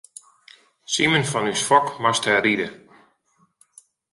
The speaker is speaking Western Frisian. Simen fan ús Fok moast dêr ride.